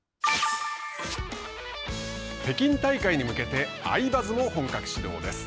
北京大会に向けて「アイバズ」も本格始動です。